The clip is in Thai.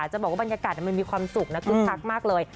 จะบอกว่าบรรยากาศมันมีความสุขนะคึกคักมากเลย